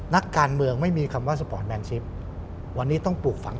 นักการเมืองไม่มีคำว่าสปอร์ตแมนชิปวันนี้ต้องปลูกฝัง